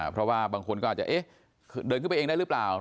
เพราะว่าบางคนก็อาจจะเดินขึ้นไปเองได้หรือเปล่า